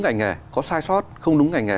ngành nghề có sai sót không đúng ngành nghề